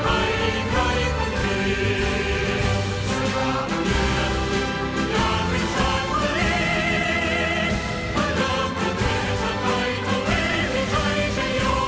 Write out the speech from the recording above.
และใครเขาไม่มีใครชะยอม